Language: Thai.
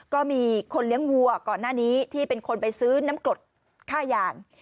ก็มีคนเลี้ยงวัวก่อนหน้านี้ที่เป็นคนไปซื้อน้ำกรดค่ายาง